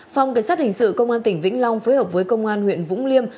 phòng cảnh sát hình sự công an tỉnh vĩnh long phối hợp với công an huyện vũng liêm